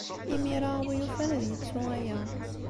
Imir-a, a win yufan ad yettu aya.